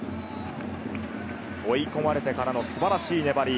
追い込まれてからの素晴らしい粘り。